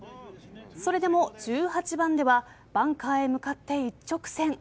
それでも１８番ではバンカーへ向かって一直線。